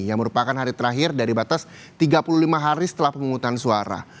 yang merupakan hari terakhir dari batas tiga puluh lima hari setelah pemungutan suara